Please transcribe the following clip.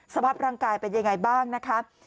สภาพร่างกายเป็นยังไงบ้างนะคะ